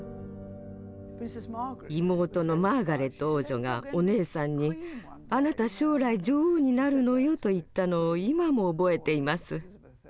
妹のマーガレット王女がお姉さんに「あなた将来女王になるのよ」と言ったのを今も覚えています。